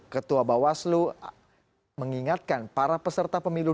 ketua bawaslu mengingatkan para peserta pemilu